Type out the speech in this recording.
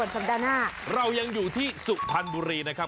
ขอบคุณจังหวัดสก้านะคะ